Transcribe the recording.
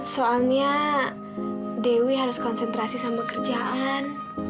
soalnya dewi harus konsentrasi sama kerjaan